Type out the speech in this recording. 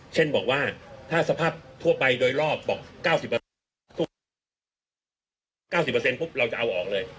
เช่นบอกว่าถ้าสภาพทั่วไปโดยรอบบอก๙๐๙๐ปุ๊บเราจะเอาออกเลย